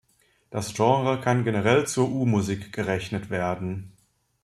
Das Genre kann generell zur U-Musik gerechnet werden.